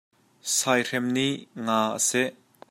Saihrem nih nga a seh.